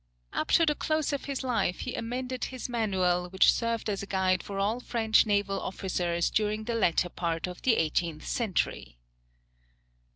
Up to the close of his life he amended his manual, which served as a guide for all French naval officers during the latter part of the eighteenth century.